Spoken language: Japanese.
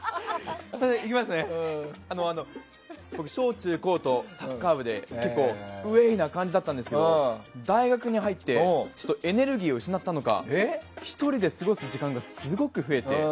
僕、小中高とサッカー部で結構ウェーイな感じだったんですけど大学に入ってエネルギーを失ったのか１人で過ごす時間がすごく増えて。